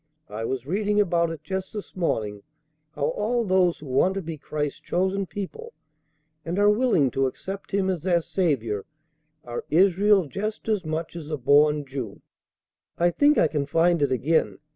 I was reading about it just this morning, how all those who want to be Christ's chosen people, and are willing to accept Him as their Saviour, are Israel just as much as a born Jew. I think I can find it again.